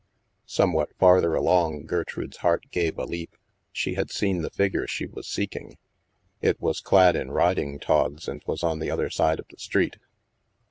Somewhat farther along, Gertrude's heart gave a leap. She had seen the figure she was seeking. It was clad in riding togs and was on the other side of the street.